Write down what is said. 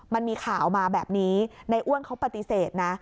มันมีข่าวมาแบบนี้ในอ้วนเขาปฏิเสธนะ